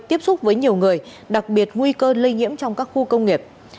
tiếp xúc với nhiều người đặc biệt nguy cơ lây nhiễm trong các khu công nghiệp